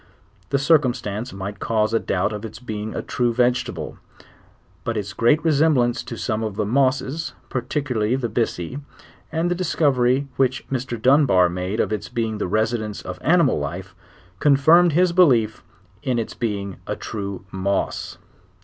The cir cumstance might cause a doubt of its being a true vegetable,; but its great resemblance to some of the mosses, particular ly the byssi, and the discovery which Mr. Dunbar made of its being the residence of animal life, confirmed his belief in its being a true moss.